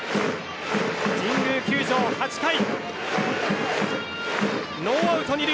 神宮球場、８回。